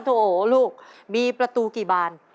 โอลูกมีประตูกี่บาน